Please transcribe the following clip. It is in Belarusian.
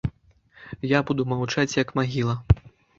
Я буду маўчаць як магіла.